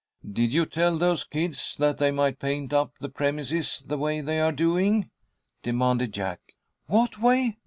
"Did you tell those kids that they might paint up the premises the way they are doing?" demanded Jack. "What way?"